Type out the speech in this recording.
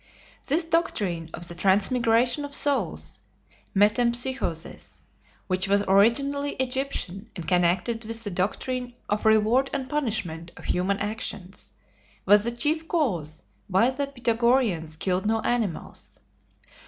This doctrine of the transmigration of souls (metempsychosis), which was originally Egyptian and connected with the doctrine of reward and punishment of human actions, was the chief cause why the Pythagoreans killed no animals.